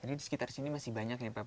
jadi di sekitar sini masih banyak ya pak pak